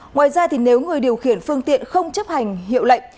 ngoài ra nếu người điều khiển phương tiện không chấp hành hiệu lệnh